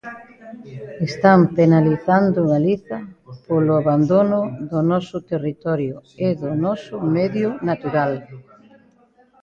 Están penalizando Galiza polo abandono do noso territorio e do noso medio natural.